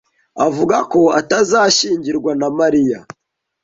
avuga ko atazashyingirwa na Mariya.